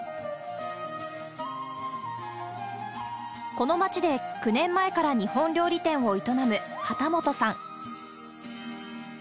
この町で９年前から日本料理店を営む幡本さん。